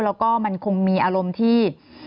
แล้วก็มันคงมีอารมณ์ที่